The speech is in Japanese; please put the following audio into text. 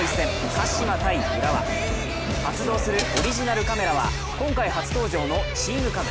鹿島×浦和、発動するオリジナルカメラは今回初登場のチームＣＡＭ。